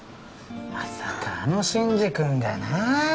まさかあの真司君がなあ